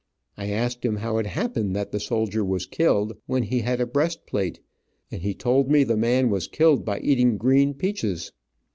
I asked him how it happened that the soldier was killed, when he had a breast plate, and he told me the man was killed by eating green peaches.